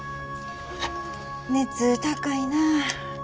熱高いな。